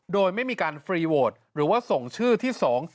โดยไม่มีการฟรีโหวตหรือว่าส่งชื่อที่๒๔